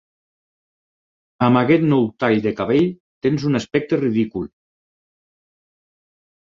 Amb aquest nou tall de cabell tens un aspecte ridícul.